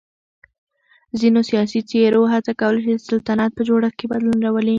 ځینو سیاسی څېرو هڅه کوله چې د سلطنت په جوړښت کې بدلون راولي.